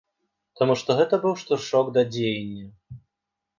Таму што гэта быў штуршок да дзеяння.